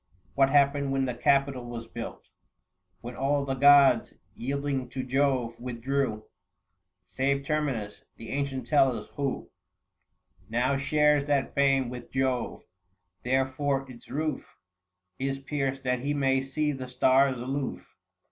What happened when the Capitol was built ? 715 When all the gods, yielding to Jove, withdrew, Save Terminus, the ancients tell us, who Now shares that fane with Jove : therefore its roof Is pierced that he may see the stars aloof.